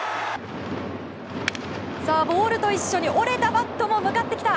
ボールと一緒に折れたバットも向かってきた。